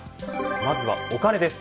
まずは、お金です。